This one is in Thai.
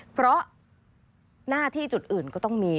เพราะหน้าที่จุดอื่นก็ต้องมี